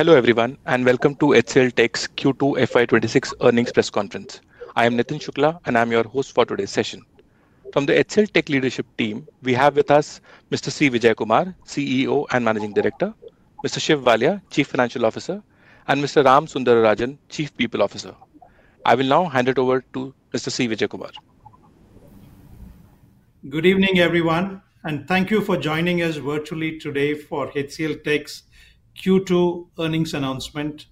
Hello everyone and welcome to HCLTech's Q2 FY26 earnings press conference. I am Nitin Shukla and I'm your host for today's session. From the HCLTech Leadership team, we have with us Mr. C. Vijayakumar, CEO and Managing Director, Mr. Shiv Walia, Chief Financial Officer, and Mr. Ram Sundararajan, Chief People Officer. I will now hand it over to Mr. C. Vijayakumar. Good evening everyone and thank you for joining us virtually today for HCLTech's Q2 earnings announcement.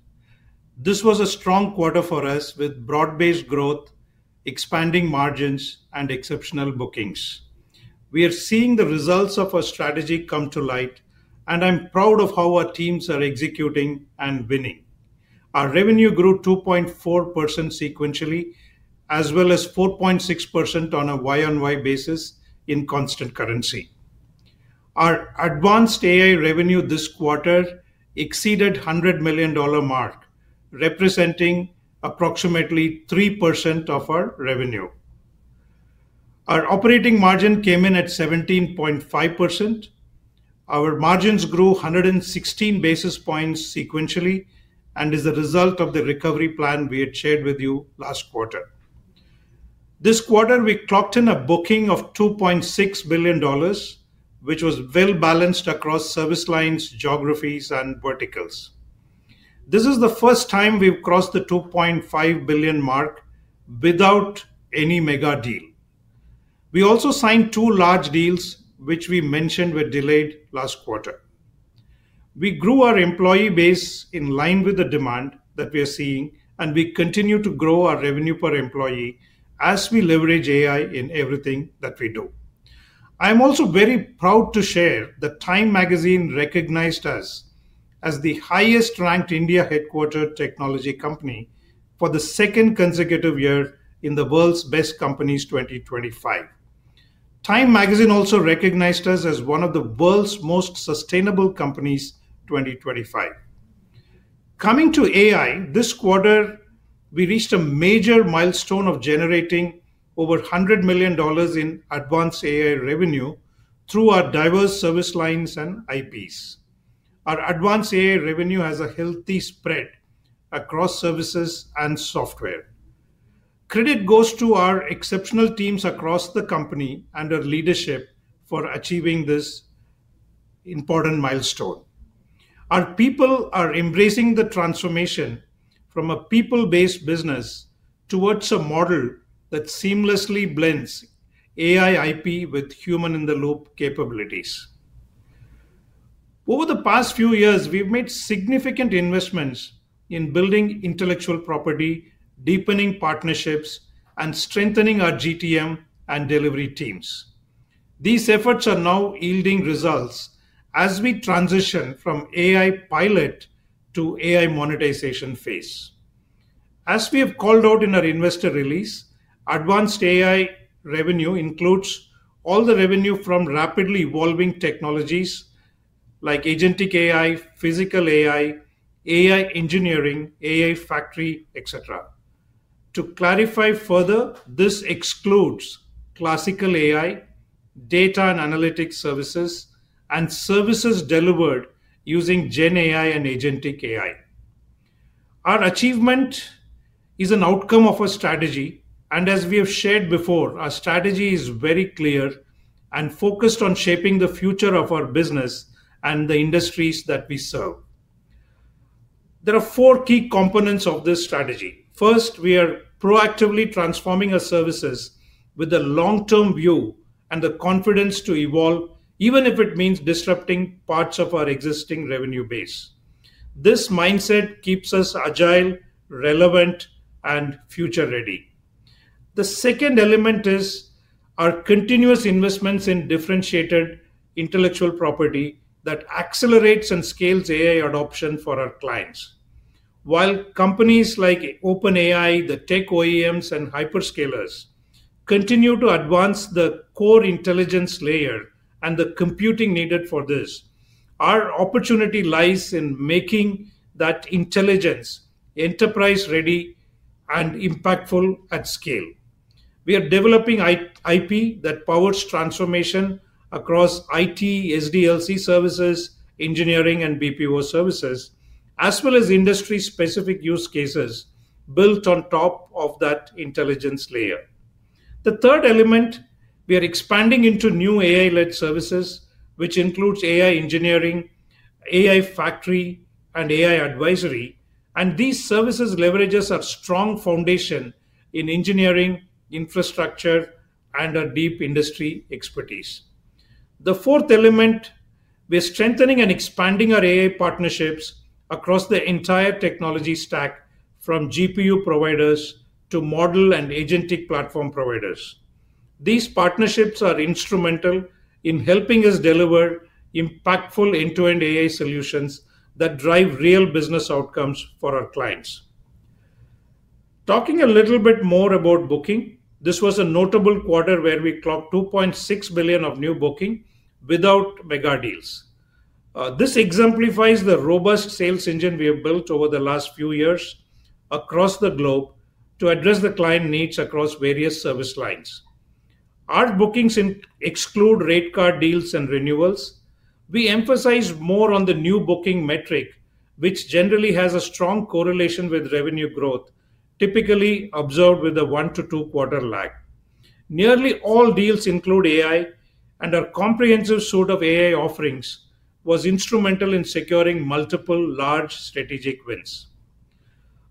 This was a strong quarter for us with broad-based growth, expanding margins, and exceptional bookings. We are seeing the results of our strategy come to light and I'm proud of how our teams are executing and winning. Our revenue grew 2.4% sequentially as well as 4.6% on a year-on-year basis in constant currency. Our advanced AI revenue this quarter exceeded the $100 million mark, representing approximately 3% of our revenue. Our operating margin came in at 17.5%. Our margins grew 116 basis points sequentially and is a result of the recovery plan we had shared with you last quarter. This quarter we clocked in a booking of $2.6 billion, which was well balanced across service lines, geographies, and verticals. This is the first time we've crossed the $2.5 billion mark without any mega deal. We also signed two large deals which we mentioned were delayed last quarter. We grew our employee base in line with the demand that we are seeing and we continue to grow our revenue per employee as we leverage AI in everything that we do. I am also very proud to share that TIME Magazine recognized us as the highest ranked India headquartered technology company for the second consecutive year in the World's Best Companies 2025. TIME Magazine also recognized us as one of the world's most sustainable companies. Coming to AI, this quarter we reached a major milestone of generating over $100 million in advanced AI revenue through our diverse service lines and IPs. Our advanced AI revenue has a healthy spread across services and software. Credit goes to our exceptional teams across the company and our leadership for achieving this important milestone. Our people are embracing the transformation from a people-based business towards a model that seamlessly blends AI IP with human-in-the-loop capabilities. Over the past few years we've made significant investments in building intellectual property, deepening partnerships, and strengthening our GTM and delivery teams. These efforts are now yielding results as we transition from AI pilot to AI monetization phase. As we have called out in our investor release, advanced AI revenue includes all the revenue from rapidly evolving technologies like Agentic AI, Physical AI, AI Engineering, AI Factory, etc. To clarify further, this excludes classical AI data and analytics services and services delivered using GenAI and AgentIQ AI. Our achievement is an outcome of a strategy and as we have shared before, our strategy is very clear and focused on shaping the future of our business and the industries that we serve. There are four key components of this strategy. First, we are proactively transforming our services with a long term view and the confidence to evolve even if it means disrupting parts of our existing revenue base. This mindset keeps us agile, relevant, and future ready. The second element is our continuous investments in differentiated intellectual property that accelerates and scales AI adoption for our clients. While companies like OpenAI, the tech OEMs, and hyperscalers continue to advance the core intelligence layer and the computing needed for this, our opportunity lies in making that intelligence enterprise ready and impactful at scale. We are developing IP that powers transformation across IT, SDLC services, Engineering and BPO services, as well as industry specific use cases built on top of that intelligence layer. The third element, we are expanding into new AI-led services which includes AI Engineering, AI Factory, and AI Advisory, and these services leverage a strong foundation in engineering infrastructure and our deep industry expertise. The fourth element, we're strengthening and expanding our AI partnerships across the entire technology stack from GPU providers to model and agentic platform providers. These partnerships are instrumental in helping us deliver impactful end-to-end AI solutions that drive real business outcomes for our clients. Talking a little bit more about bookings, this was a notable quarter where we clocked $2.6 billion of new bookings without mega deals. This exemplifies the robust sales engine we have built over the last few years across the globe to address the client needs across various service lines. Our bookings exclude rate card deals and renewals. We emphasize more on the new bookings metric which generally has a strong correlation with revenue growth typically observed with a one to two quarter lag. Nearly all deals include AI and our comprehensive suite of AI offerings was instrumental in securing multiple large strategic wins.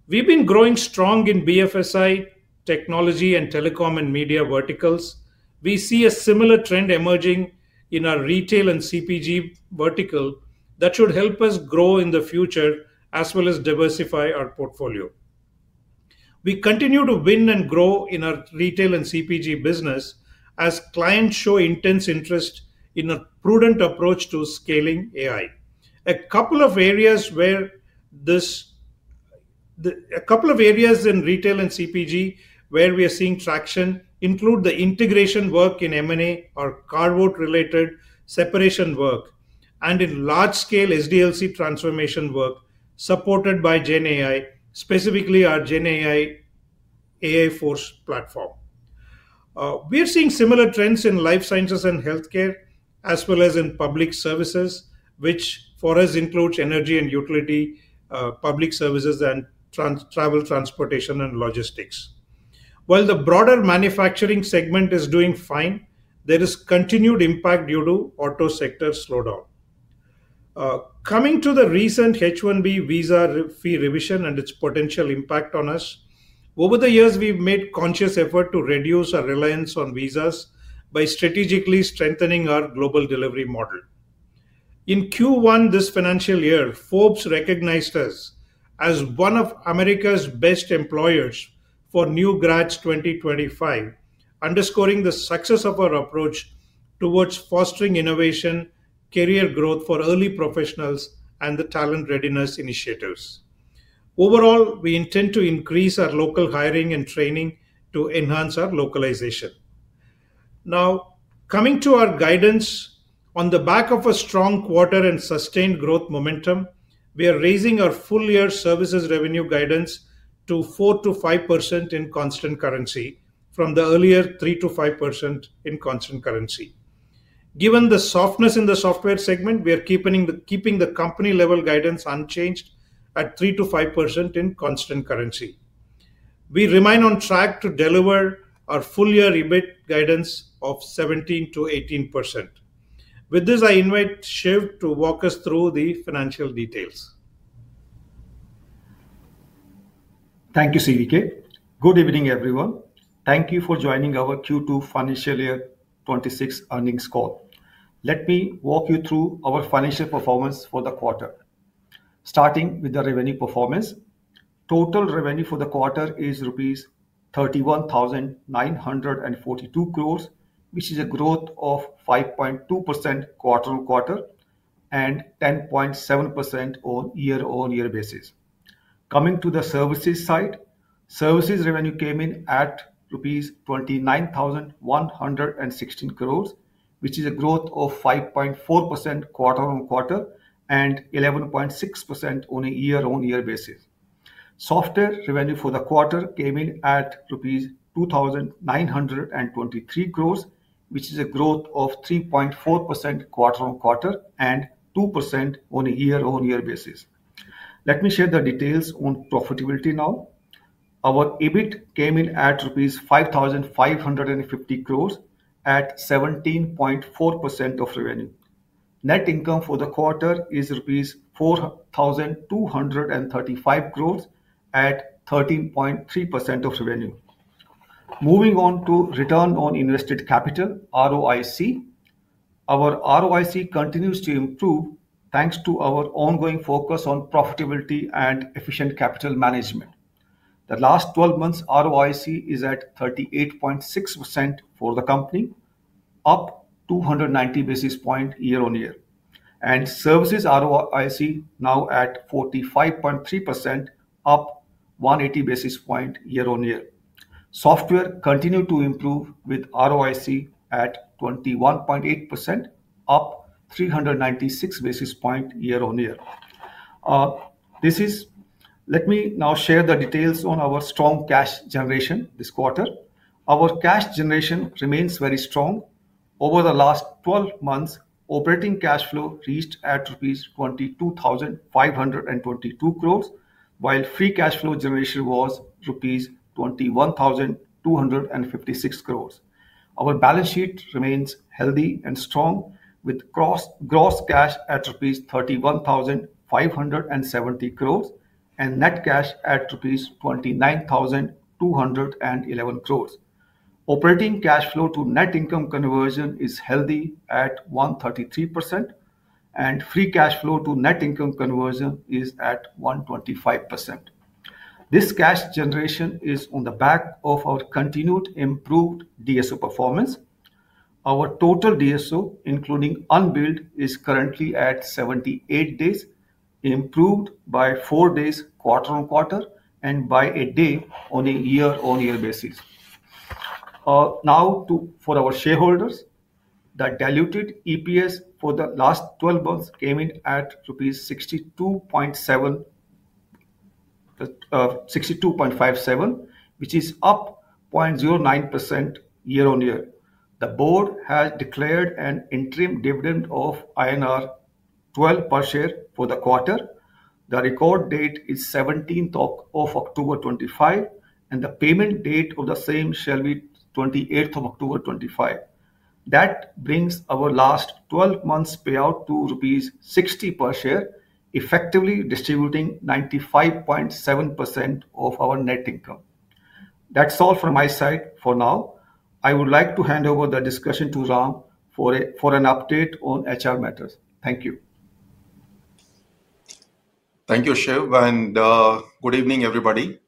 We've been growing strong in BFSI, technology, and telecom and media verticals. We see a similar trend emerging in our retail and CPG market vertical that should help us grow in the future as well as diversify our portfolio. We continue to win and grow in our retail and CPG business as clients show intense interest in a prudent approach to scaling AI. A couple of areas in retail and CPG where we are seeing traction include the integration work in M&A or carve-out related separation work and in large scale SDLC transformation work supported by GenAI, specifically our AI Force platform. We are seeing similar trends in life sciences and healthcare as well as in public services, which for us includes energy and utility public services and travel, transportation and logistics. While the broader manufacturing segment is doing fine, there is continued impact due to auto sector slowdown. Coming to the recent H1B visa fee revision and its potential impact on us, over the years we've made conscious efforts to reduce our reliance on visas by strategically strengthening our global delivery model. In Q1 this financial year, Forbes recognized us as one of America's Best Employers for New Grads 2025, underscoring the success of our approach towards fostering innovation, career growth for early professionals and the talent readiness initiatives. Overall, we intend to increase our local hiring and training to enhance our localization. Now coming to our guidance, on the back of a strong quarter and sustained growth momentum, we are raising our full year services revenue guidance to 4 to 5% in constant currency from the earlier 3 to 5% in constant currency. Given the softness in the software segment, we are keeping the company level guidance unchanged at 3 to 5% in constant currency. We remain on track to deliver our full year EBIT guidance of 17 to 18%. With this, I invite Shiv to walk us through the financial details. Thank you, CVK. Good evening, everyone. Thank you for joining our Q2 financial year 2026 earnings call. Let me walk you through our financial performance for the quarter, starting with the revenue performance. Total revenue for the quarter is rupees 31,942 crore, which is a growth of 5.2% quarter on quarter and 10.7% on a year on year basis. Coming to the services side, services revenue came in at rupees 29,116 crore, which is a growth of 5.4% quarter on quarter and 11.6% on a year on year basis. Software revenue for the quarter came in at rupees 2,923 crore, which is a growth of 3.4% quarter on quarter and 2% on a year on year basis. Let me share the details on profitability now. Our EBIT came in at 5,550 crore rupees at 17.4% of revenue. Net income for the quarter is INR 4,235 crore at 13.3% of revenue. Moving on to Return on Invested Capital (ROIC), our ROIC continues to improve thanks to our ongoing focus on profitability and efficient capital management. The last 12 months ROIC is at 38.6% for the company, up 290 basis points year on year. Services ROIC is now at 45.3%, up 180 basis points year on year. Software continued to improve with ROIC at 21.8%, up 396 basis points year on year. Let me now share the details on our strong cash generation this quarter. Our cash generation remains very strong. Over the last 12 months, operating cash flow reached INR 22,522 crore, while free cash flow generation was INR 21,256 crore. Our balance sheet remains healthy and strong with gross cash at INR 31,570 crore and net cash at INR 29,211 crore. Operating cash flow to net income conversion is healthy at 133%, and free cash flow to net income conversion is at 125%. This cash generation is on the back of our continued improved DSO performance. Our total DSO, including unbilled, is currently at 78 days, improved by 4 days quarter on quarter and by a day on a year on year basis. Now for our shareholders, the diluted EPS for the last 12 months came in at 62.57, which is up 0.09% year on year. The board has declared an interim dividend of INR 12 per share for the quarter. The record date is 17th of October 2025, and the payment date of the same shall be 28th of October 2025. That brings our last 12 months payout to rupees 60 per share, effectively distributing 95.7% of our net income. That's all from my side for now. I would like to hand over the discussion to Ram for an update on HR matters. Thank you. Thank you, Shiv. Good evening everybody.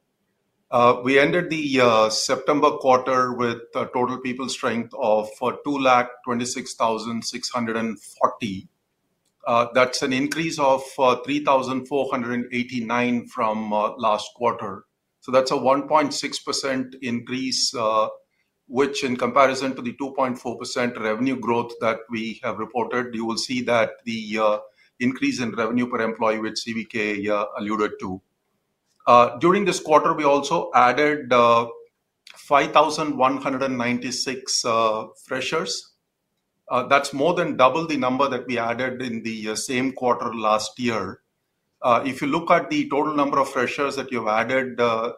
We ended the September quarter with total people strength of 226,640. That's an increase of 3,489 from last quarter. That's a 1.6% increase, which in comparison to the 2.4% revenue growth that we have reported, you will see that the increase in revenue per employee, which CVK alluded to. During this quarter, we also added 5,196 freshers. That's more than double the number that we added in the same quarter last year. If you look at the total number of freshers that we've added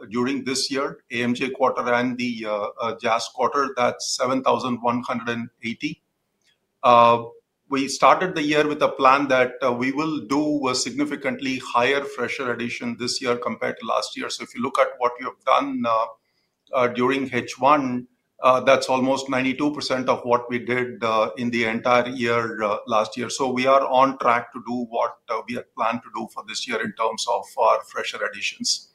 during this year, AMG quarter and the JAS quarter, that's 7,180. We started the year with a plan that we will do a significantly higher fresher addition this year compared to last year. If you look at what we have done during H1, that's almost 92% of what we did in the entire year last year. We are on track to do what we had planned to do for this year in terms of our fresher additions.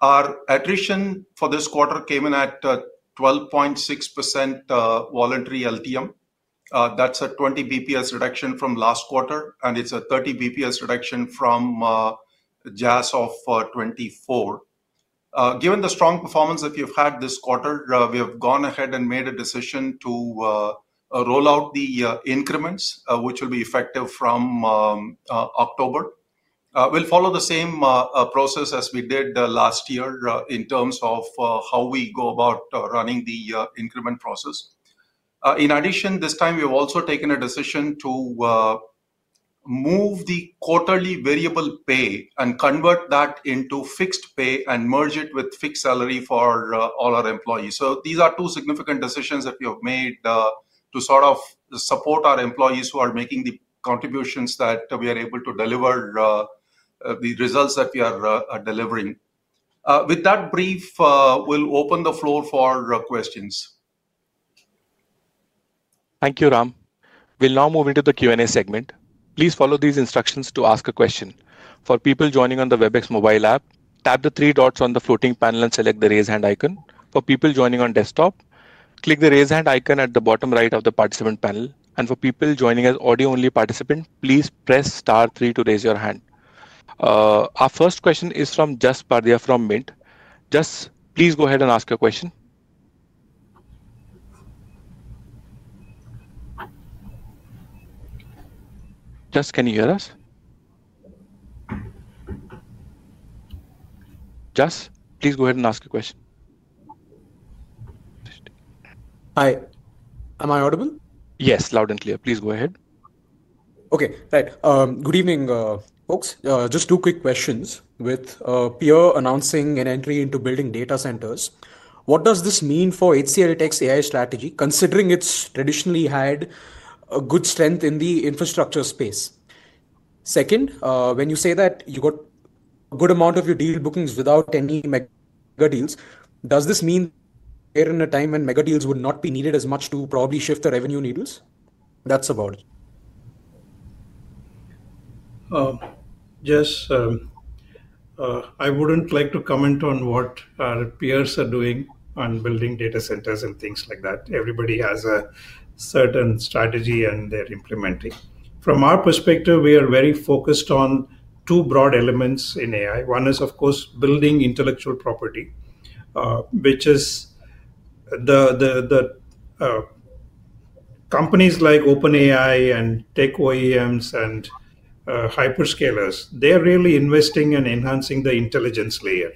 Our attrition for this quarter came in at 12.6% voluntary LTM. That's a 20 bps reduction from last quarter, and it's a 30 bps reduction from JAS of 2024. Given the strong performance that we've had this quarter, we have gone ahead and made a decision to roll out the increments, which will be effective from October. We'll follow the same process as we did last year in terms of how we go about running the increment process. In addition, this time we have also taken a decision to move the quarterly variable pay and convert that into fixed pay and merge it with fixed salary for all our employees. These are two significant decisions that we have made to support our employees who are making the contributions that we are able to deliver the results that we are delivering. With that brief, we'll open the floor for questions. Thank you, Ram. We'll now move into the Q and A segment. Please follow these instructions. To ask a question, for people joining on the Webex mobile app, tap the three dots on the floating panel and select the raise hand icon. For people joining on desktop, click the raise hand icon at the bottom right of the participant panel. For people joining as audio only participant, please press star three to raise your hand. Our first question is from Jasper from Mint. Jasper, please go ahead and ask your question. Jasper, can you hear us? Jasper, please go ahead and ask your question. Hi, am I audible? Yes, loud and clear. Please go ahead. Okay, right. Good evening folks. Just two quick questions. With peers announcing an entry into building data centers, what does this mean for HCLTech's AI strategy considering it's traditionally had a good strength in the infrastructure space? Second, when you say that you got a good amount of your deal bookings without any mega deals, does this mean a time when mega deals would not be needed as much to probably shift the revenue needles? That's about it. Yes. I wouldn't like to comment on what our peers are doing on building data centers and things like that. Everybody has a certain strategy and they're implementing. From our perspective, we are very focused on two broad elements in AI. One is of course building intellectual property, which is the companies like OpenAI and tech OEMs and hyperscalers. They're really investing and enhancing the intelligence layer.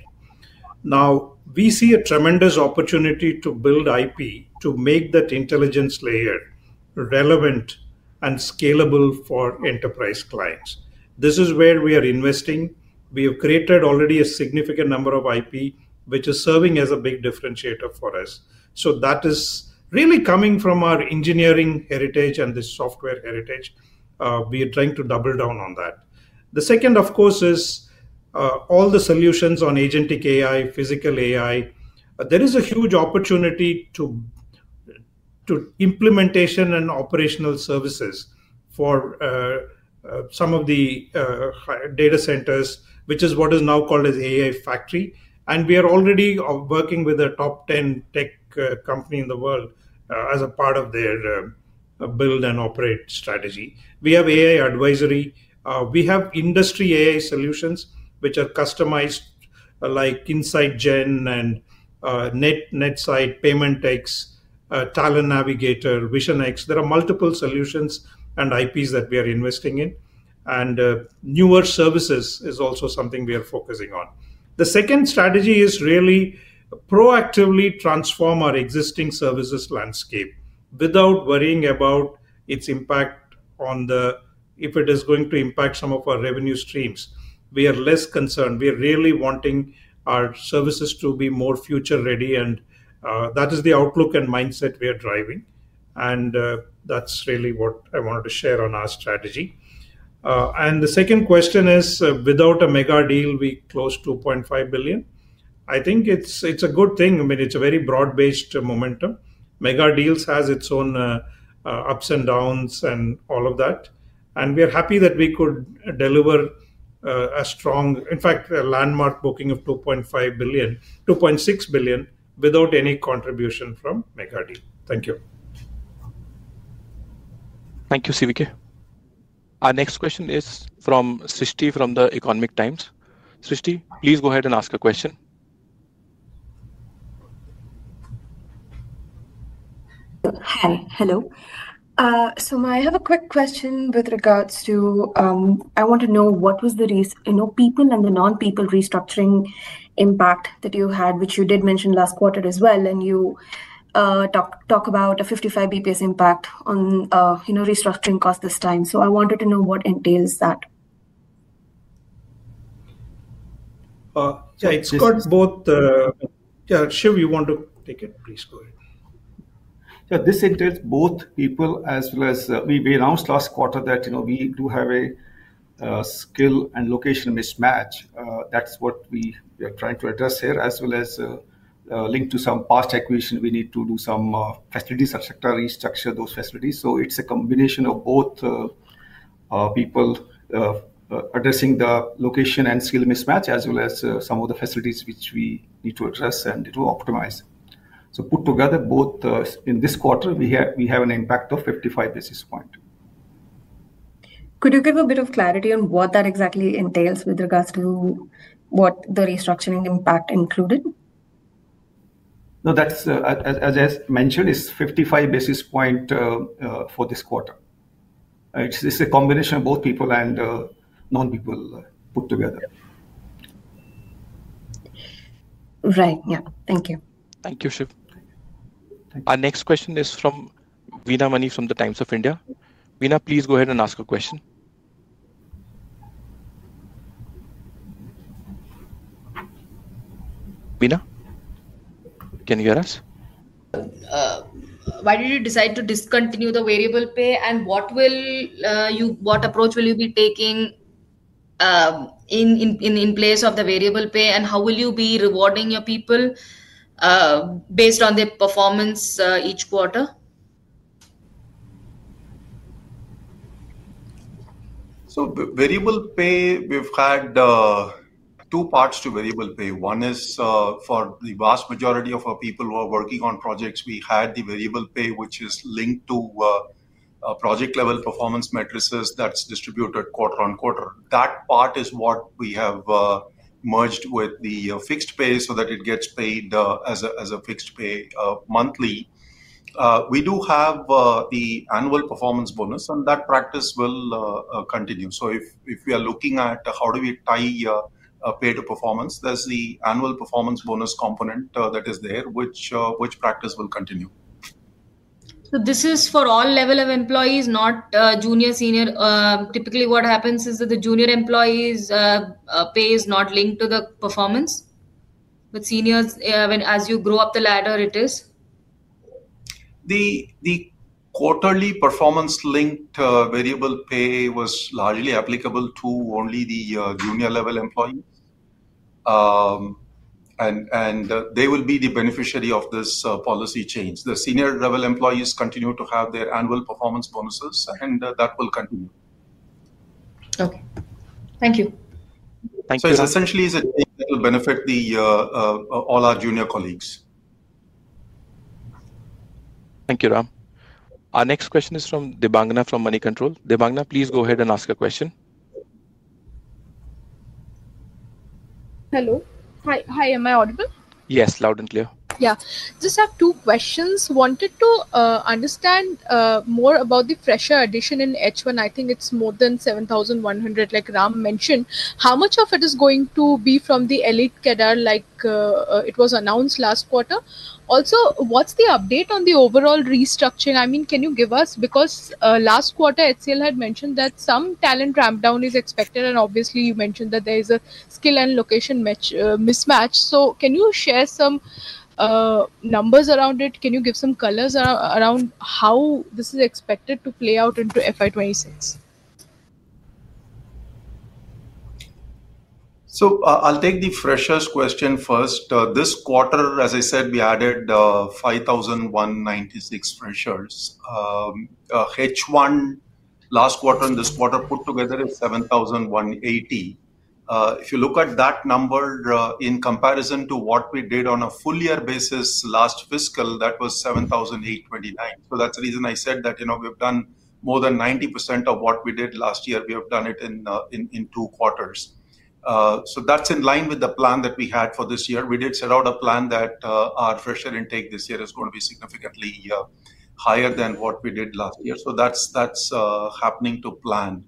Now we see a tremendous opportunity to build IP to make that intelligence layer relevant and scalable for enterprise clients. This is where we are investing. We have created already a significant number of IP, which is serving as a big differentiator for us. That is really coming from our engineering heritage and the software heritage. We are trying to double down on that. The second of course is all the solutions on agentic AI, physical AI. There is a huge opportunity to implementation and operational services for some of the data centers, which is what is now called as AI Factory. We are already working with the top 10 tech company in the world as a part of their build and operate strategy. We have AI Advisory, we have industry AI solutions which are customized like Insight Gen and Netside Payment X, Talent Navigator, VisionX. There are multiple solutions and IPs that we are investing in and newer services is also something we are focusing on. The second strategy is really proactively transform our existing services landscape without worrying about its impact on the, if it is going to impact some of our revenue streams. We are less concerned. We are really wanting our services to be more future ready and that is the outlook and mindset we are driving. That's really what I wanted to share on our strategy. The second question is without a mega deal we closed $2.5 billion. I think it's a good thing. I mean it's a very broad-based momentum. Mega deals have their own ups and downs and all of that and we are happy that we could deliver a strong, in fact a landmark booking of $2.5 billion, $2.6 billion without any contribution from mega deals. Thank you. Thank you, CVK. Our next question is from Srishti from The Economic Times. Srishti, please go ahead and ask a question. Hi. Hello. I have a quick question with regards to, I want to know what was the reason people and the non people restructuring impact that you had, which you did mention last quarter as well. You talk about a 55 bps impact on, you know, restructuring cost this time. I wanted to know what entails that. Yeah, it's got both. Yeah, Shiv, you want to take it? Please go ahead. Yeah, this entails both people as well. As we announced last quarter that, you know, we do have a skill and location mismatch, that's what we are trying to address here. As well as linked to some past equation, we need to do some facilities, restructure those facilities. It is a combination of both people addressing the location and skill mismatch as well as some of the facilities which we need to address and to optimize. Put together, both in this quarter, we have an impact of 55 basis points. Could you give a bit of clarity? On what that exactly entails with regards. To what did the restructuring impact include? No, that's as I mentioned, is 55 basis points for this quarter. It's a combination of both people and non-people put together. Right. Thank you. Thank you, Shiv. Our next question is from Veena Mani from the Times of India. Veena, please go ahead and ask a question. Veena, can you hear us? Why did you decide to discontinue the variable pay, and what approach will you be taking in place of the variable pay, and how will you be rewarding your people based on their performance each quarter? Variable pay, we've had two parts to variable pay. One is for the vast majority of our people who are working on projects. We had the variable pay which is linked to project level performance matrices. That's distributed quarter on quarter. That part is what we have merged with the fixed pay so that it gets paid as a fixed pay monthly. We do have the annual performance bonus and that practice will continue. If we are looking at how do we tie pay to performance, there's the annual performance bonus component that is there, which practice will continue. This is for all levels of employees, not junior or senior. Typically, what happens is that the junior employees' pay is not linked to the performance, but for seniors, as you grow up the ladder, it is. The quarterly performance linked variable pay was largely applicable to only the junior level employees, and they will be the beneficiary of this policy change. The senior level employees continue to have their annual performance bonuses, and that will continue. Okay, thank you. Thank you. It’s essentially benefit all our junior colleagues. Thank you, Ram. Our next question is from Debangana from Moneycontrol. Debangana, please go ahead and ask a question. Hello. Hi. Am I audible? Yes, loud and clear. Yeah, just have two questions. Wanted to understand more about the fresher addition in H1. I think it's more than 7,100. Like Ram mentioned, how much of it is going to be from the elite cadre like it was announced last quarter? Also, what's the update on the overall restructuring? I mean, can you give us, because last quarter HCLTech had mentioned that some talent ramp down is expected and obviously you mentioned that there is a skill and location mismatch. Can you share some numbers around it? Can you give some colors around how this is expected to play out into FY26? I'll take the fresher hiring question first. This quarter, as I said, we added 5,196 freshers. H1 last quarter and this quarter put together is 7,180. If you look at that number in comparison to what we did on a full year basis last fiscal, that was 7,829. That's the reason I said that, you know, we've done more than 90% of what we did last year. We have done it in two quarters. That's in line with the plan that we had for this year. We did set out a plan that our fresher intake this year is going to be significantly higher than what we did last year. That's happening to plan.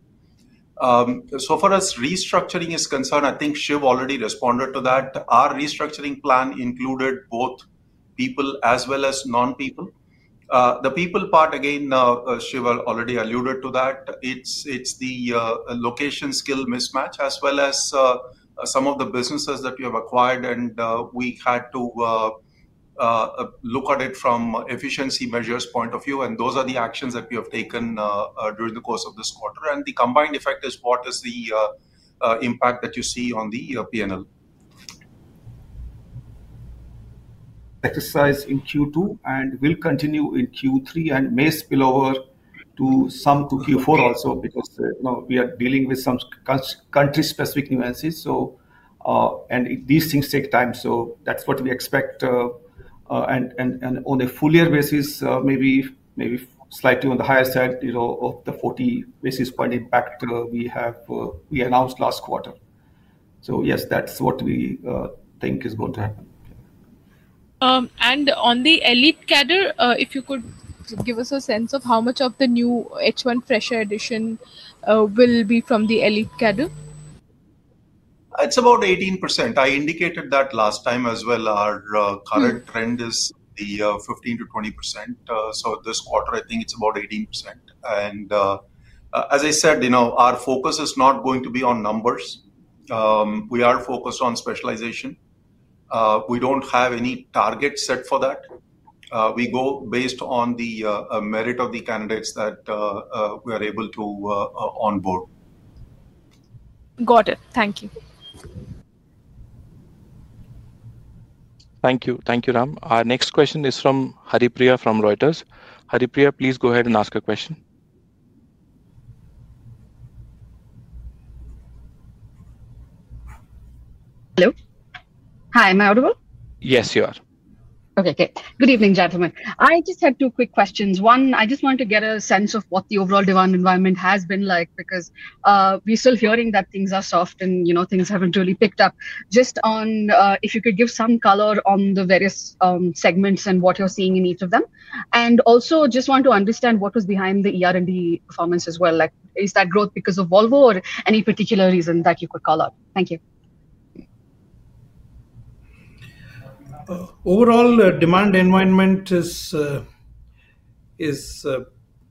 As far as restructuring is concerned, I think Shiv already responded to that. Our restructuring plan included both people as well as non-people. The people part, again, Shiv already alluded to that. It's the location-skill mismatch as well as some of the businesses that we have acquired. We had to look at it from an efficiency measures point of view. Those are the actions that we have taken during the course of this quarter. The combined effect is what is the impact that you see on the P&L. Exercise in Q2 and will continue in Q3 and may spill over to some to Q4 also because we are dealing with some country-specific nuances. These things take time. That's what we expect. On a full year basis, maybe slightly on the higher side, you know, of the 40 basis point impact we announced last quarter. That's what we think is going to happen. On the elite cadre, if you could give us a sense of how much of the new H1 fresher hiring will be from the elite cadre. It's about 18%. I indicated that last time as well. Our current trend is the 15% to 20%. This quarter I think it's about 18%. As I said, our focus is not going to be on numbers. We are focused on specialization. We don't have any target set for that. We go based on the merit of the candidates that we are able to onboard. Got it. Thank you. Thank you. Thank you, Ram. Our next question is from Hari Priya from Reuters. Hari Priya, please go ahead and ask a question. Hello. Hi. Am I audible? Yes, you are. Okay. Good evening, gentlemen. I just had two quick questions. One, I just wanted to get a sense of what the overall demand environment has been like because we're still hearing that things are soft, and you know, things haven't really picked up. If you could give some color on the various segments and what you're seeing in each of them, and also just want to understand what was behind the Engineering and R&D Services performance as well. Is that growth because of Volvo or any particular reason that you could call out? Thank you. Overall demand environment is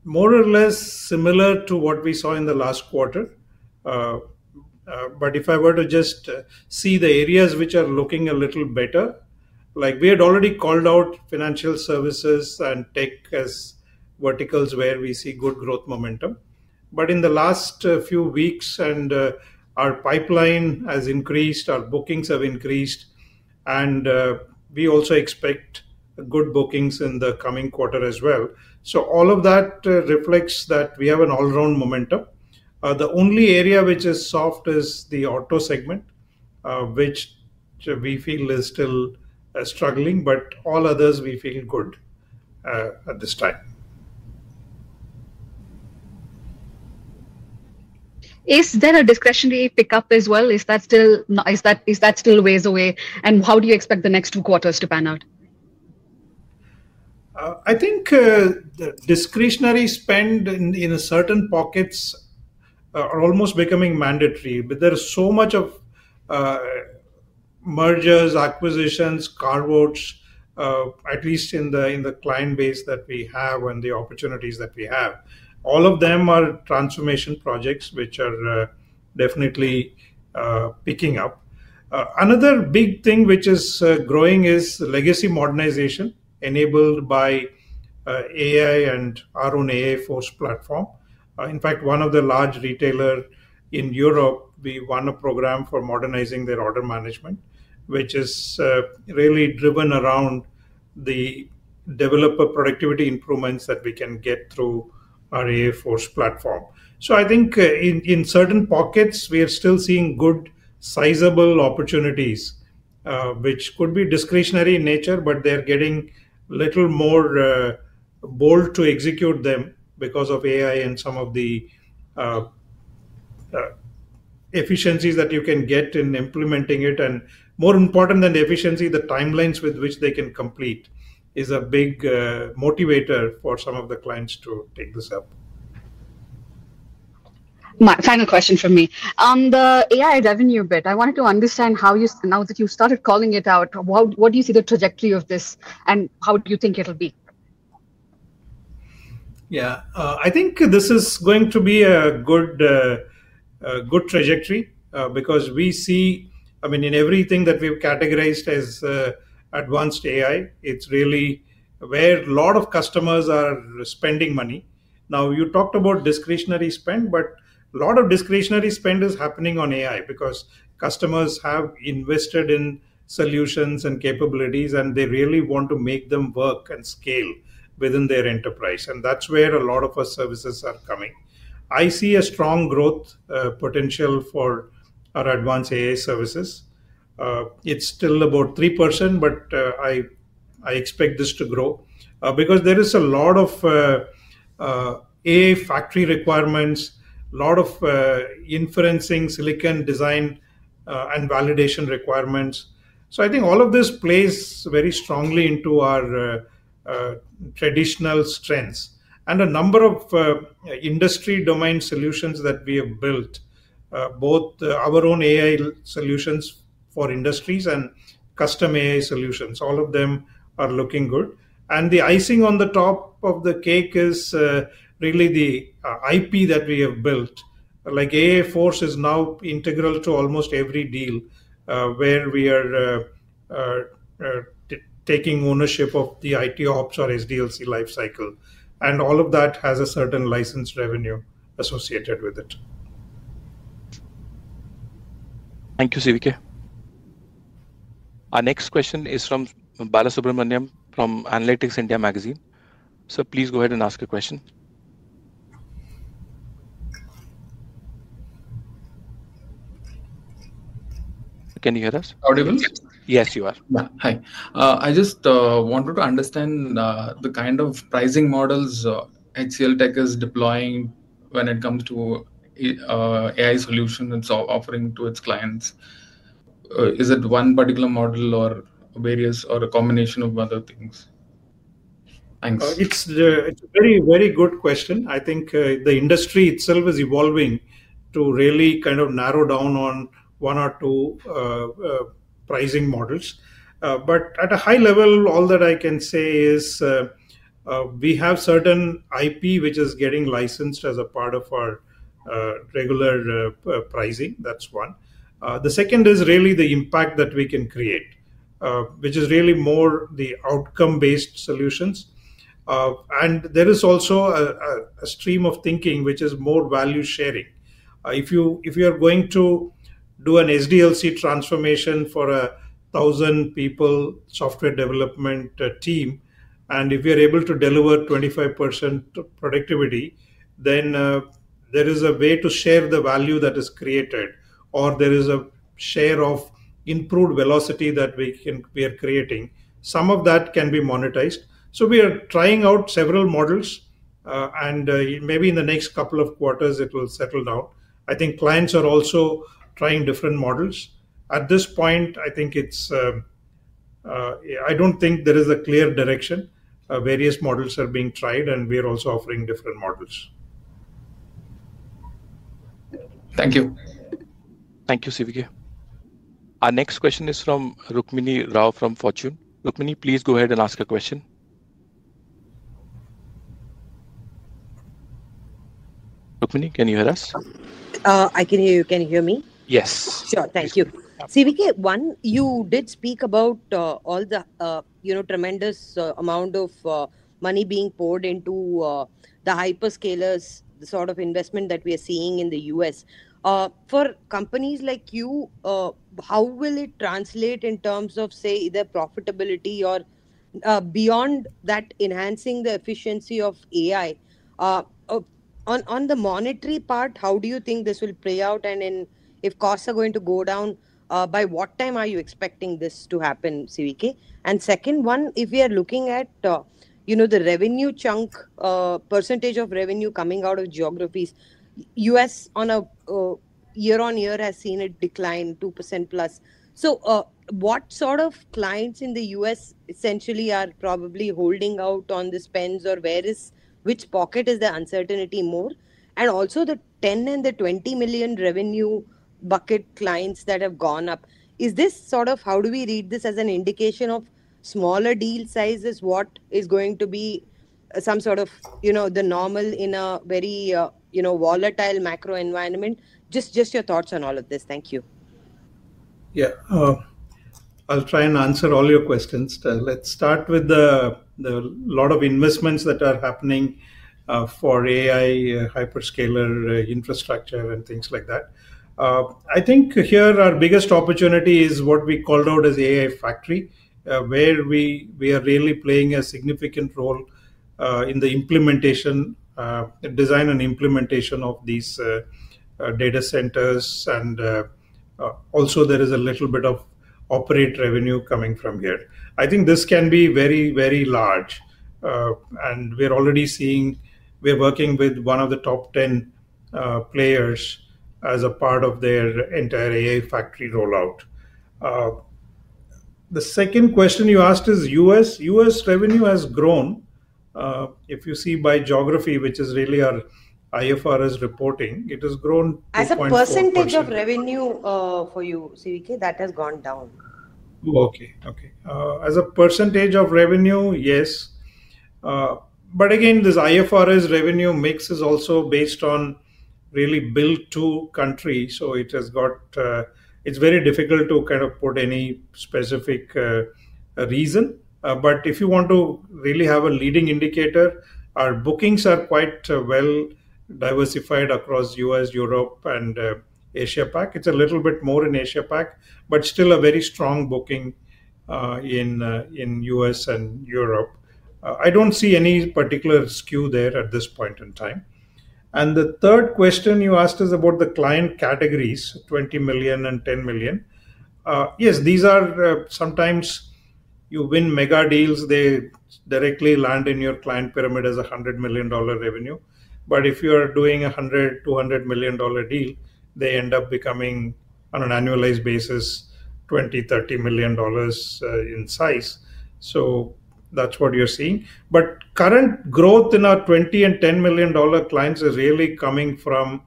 more or less similar to what we saw in the last quarter. If I were to just see the areas which are looking a little better, like we had already called out financial services and tech as verticals where we see good growth momentum. In the last few weeks, our pipeline has increased, our bookings have increased, and we also expect good bookings in the coming quarter as well. All of that reflects that we have an all round momentum. The only area which is soft is the auto segment, which we feel is still struggling. All others we feel good at this time. Is there a discretionary pickup as well? Is that still a ways away, and how do you expect the next two quarters to pan out? I think discretionary spend in certain pockets are almost becoming mandatory. There are so much of mergers, acquisitions, carve-outs, at least in the client base that we have and the opportunities that we have, all of them are transformation projects which are definitely picking up. Another big thing which is growing is legacy modernization enabled by AI and our own AI Force platform. In fact, one of the large retailers in Europe, we won a program for modernizing their order management which is really driven around the developer productivity improvements that we can get through our AI Force platform. I think in certain pockets we are still seeing good sizable opportunities which could be discretionary in nature, but they are getting a little more bold to execute them because of AI and some of the efficiencies that you can get in implementing it. More important than the efficiency, the timelines with which they can complete is a big motivator for some of the clients to take this up. Final question for me on the AI revenue bit, I wanted to understand how you, now that you started calling it out, what do you see the trajectory of this and how do you think it'll be? Yeah, I think this is going to be a good trajectory because we see, I mean in everything that we've categorized as advanced AI, it's really where a lot of customers are spending money. You talked about discretionary spend, but a lot of discretionary spend is happening on AI because customers have invested in solutions and capabilities and they really want to make them work and scale within their enterprise. That's where a lot of our services are coming. I see a strong growth potential for our advanced AI services. It's still about 3% but I expect this to grow because there is a lot of AI Factory requirements, a lot of inferencing, silicon design and validation requirements. I think all of this plays very strongly into our traditional strengths. A number of industry domain solutions that we have built, both our own AI solutions for industries and custom AI solutions. All of them are looking good. The icing on the top of the cake is really the IP that we have built like AI Force is now integral to almost every deal where we are taking ownership of the IT ops or SDLC lifecycle and all of that has a certain license revenue associated with it. Thank you, CVK. Our next question is from Balasubramanyam from Analytics India Magazine. Please go ahead and ask your question. Can you hear us? Audible? Yes, you are. Hi. I just wanted to understand the kind of pricing models HCLTech is deploying. When it comes to AI solution, it's offering to its clients. Is it one particular model or various? Or a combination of other things? Thanks It's a very, very good question. I think the industry itself is evolving to really kind of narrow down on one or two pricing models. At a high level, all that I can say is we have certain IP which is getting licensed as a part of our regular pricing. That's one. The second is really the impact that we can create, which is really more the outcome-based solutions. There is also a stream of thinking which is more value sharing. If you are going to do an SDLC transformation for a thousand people, software development team, and if you are able to deliver 25% productivity, then there is a way to share the value that is created or there is a share of improved velocity that we are creating. Some of that can be monetized. We are trying out several models and maybe in the next couple of quarters it will settle down. I think clients are also trying different models at this point. I don't think there is a clear direction. Various models are being tried and we are also offering different models. Thank you. Thank you CVK. Our next question is from Rukmini Rao from Fortune. Rukmini, please go ahead and ask a question. Can you hear us? I can hear you. Can you hear me? Yes, sure. Thank you. CVK, you did speak about all the tremendous amount of money being poured into the hyperscalers. The sort of investment that we are seeing in the U.S. for companies like you, how will it translate in terms of, say, the profitability or beyond that, enhancing the efficiency of AI on the monetary part? How do you think this will play out, and if costs are going to go down, by what time are you expecting this to happen, CVK? The second one, if we are looking at, you know, the revenue chunk, percentage of revenue coming out of geographies, U.S. on a year-on-year has seen it decline 2% plus. What sort of clients in the U.S. essentially are probably holding out on the spends, or where is, which pocket is the uncertainty more? Also, the $10 million and the $20 million revenue bucket clients that have gone up, is this sort of, how do we read this as an indication of smaller deal size, is what is going to be some sort of, you know, the normal in a very volatile macro environment? Just your thoughts on all of this. Thank you. Yeah, I'll try and answer all your questions. Let's start with the lot of investments that are happening for AI hyperscaler infrastructure and things like that. I think here our biggest opportunity is what we called out as AI Factory where we are really playing a significant role in the design and implementation of these data centers. There is a little bit of operate revenue coming from here. I think this can be very, very large. We're already seeing we are working with one of the top 10 players as a part of their entire AI Factory rollout. The second question you asked is U.S. revenue has grown, if you see by geography, which is really our IFRS reporting, it has grown As a percentage of revenue for you, CVK that has gone down. Okay, okay. As a % of revenue, yes. Again, this IFRS revenue mix is also based on really built to country, so it's got—it's very difficult to kind of put any specific reason. If you want to really have a leading indicator, our bookings are quite well diversified across U.S., Europe, and Asia Pac. It's a little bit more in Asia Pac, but still a very strong booking in U.S. and Europe. I don't see any particular skew there at this point in time. The third question you asked is about the client categories $20 million and $10 million. Yes, sometimes you win mega deals, they directly land in your client pyramid as $100 million revenue. If you are doing $100 million, $200 million deal, they end up becoming on an annualized basis $20 million, $30 million in size. That's what you're seeing. Current growth in our $20 million and $10 million clients is really coming from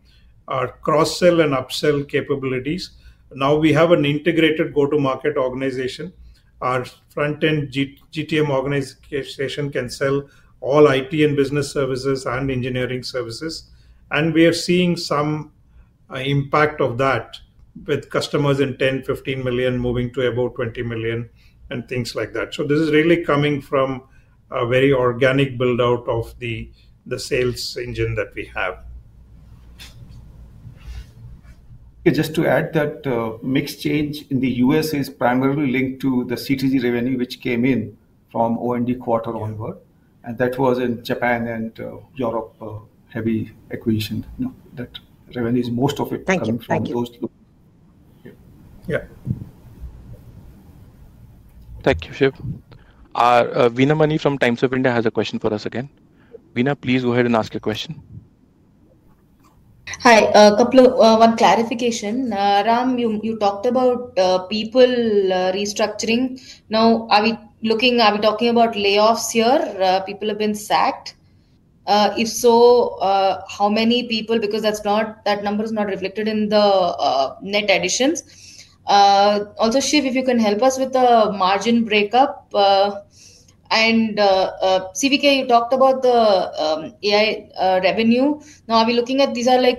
our cross-sell and upsell capabilities. Now we have an integrated go-to-market organization. Our front-end GTM organization can sell all IT and Business Services and Engineering and R&D Services, and we are seeing some impact of that with customers in $10 million, $15 million moving to about $20 million and things like that. This is really coming from a very organic build out of the sales engine that we have. Just to add, that mix change in the U.S. is primarily linked to the CTG revenue which came in from Q4 onward, and that was in Japan and Europe. Heavy equation that revenues most of it. Thank you. Yeah. Thank you. Shiv from Times of India has a question for us again. Veena Mani, please go ahead and ask your question. Hi, a couple of one clarification. Ram, you talked about people restructuring. Now are we looking, are we talking about layoffs here? People have been sacked. If so, how many people? Because that number is not reflected in the net additions. Also, Shiv, if you can help us with the margin breakup, and CVK, you talked about the AI revenue. Now are we looking at these as like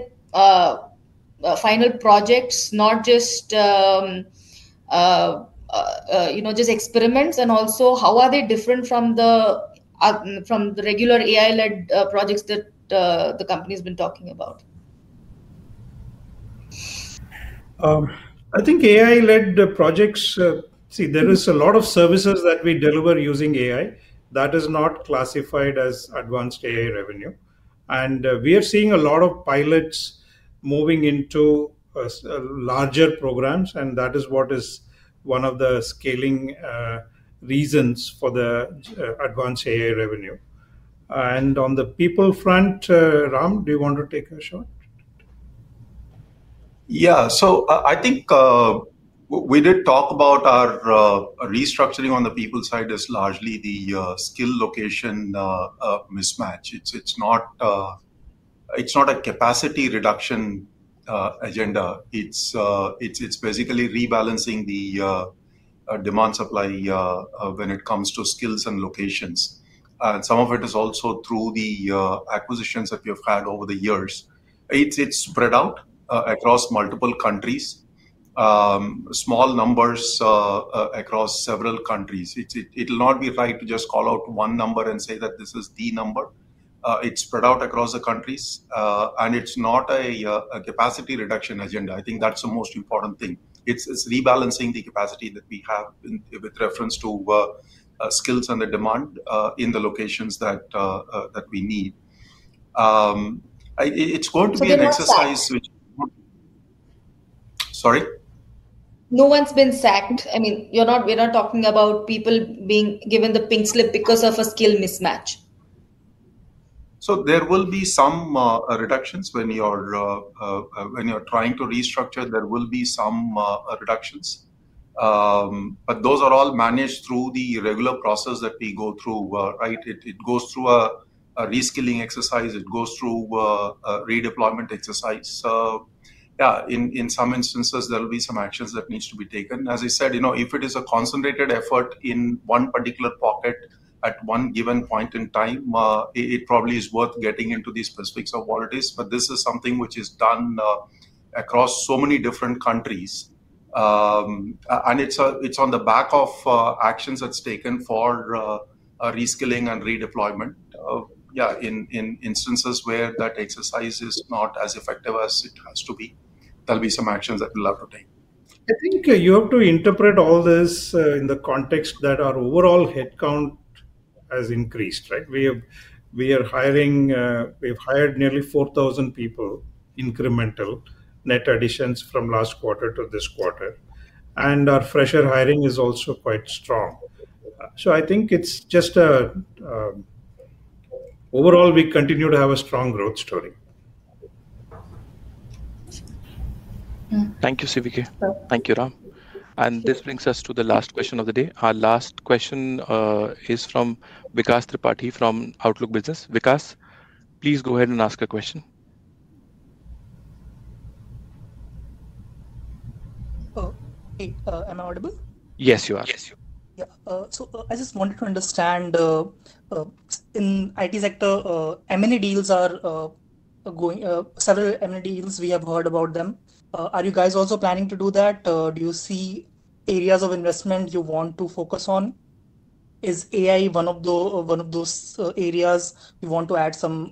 final projects, not just, you know, just experiments? Also, how are they different from the regular AI-led projects that the company has been talking about? I think AI-led projects, see there is a lot of services that we deliver using AI that is not classified as advanced AI revenue, and we are seeing a lot of pilots moving into larger programs. That is what is one of the scaling reasons for the advanced AI revenue. On the people front, Ram, do you want to take a shot? Yeah. I think we did talk about our restructuring. On the people side, it's largely the skill location mismatch. It's not a capacity reduction agenda. It's basically rebalancing the demand supply when it comes to skills and locations. Some of it is also through the acquisitions that we have had over the years. It's spread out across multiple countries, small numbers across several countries. It will not be right to just call out one number and say that this is the number. It's spread out across the countries and it's not a capacity reduction agenda. I think that's the most important thing. It's rebalancing the capacity that we have with reference to skills and the demand in the locations that we need. It's going to be an exercise. Sorry, no one's been sacked. I mean, we're not talking about people being given the pink slip because of a skill mismatch. There will be some reductions. When you're trying to restructure, there will be some reductions, but those are all managed through the regular process that we go through. Right. It goes through a reskilling exercise, it goes through a redeployment exercise. In some instances, there will be some actions that need to be taken. As I said, if it is a concentrated effort in one particular pocket at one given point in time, it probably is worth getting into the specifics of what it is. This is something which is done across so many different countries, and it's on the back of actions that are taken for reskilling and redeployment. In instances where that exercise is not as effective as it has to be, there will be some actions that we'll have to take. I think you have to interpret all this in the context that our overall headcount has increased. Right. We are hiring, we've hired nearly 4,000 people, incremental net additions from last quarter to this quarter. Our fresher hiring is also quite strong. I think it's just a, overall, we continue to have a strong growth story. Thank you, CVK. Thank you, Ram. This brings us to the last question of the day. Our last question is from Vikas Tripathi from Outlook Business. Vikas, please go ahead and ask a question. Hey, am I audible? Yes, you are. I just wanted to understand in IT sector M&A deals are going. Several M&A deals, we have heard about them. Are you guys also planning to do that? Do you see areas of investment you want to focus on? Is AI one of those areas? We want to add some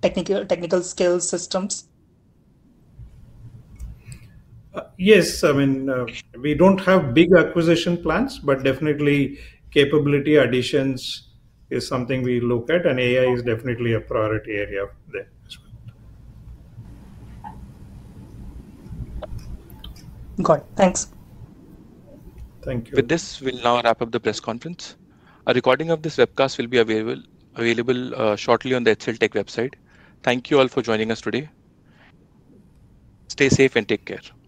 technical skills, systems? Yes. I mean we don't have big acquisition plans, but definitely capability additions is something we look at. AI is definitely a priority area there as well. Got it, thanks. Thank you. With this, we'll now wrap up the press conference. A recording of this webcast will be available shortly on the HCLTech website. Thank you all for joining us today. Stay safe and take care. Thank you.